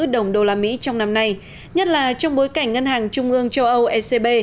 đồng đô la mỹ trong năm nay nhất là trong bối cảnh ngân hàng trung ương châu âu ecb